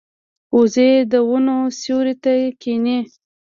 وزې د ونو سیوري ته کیني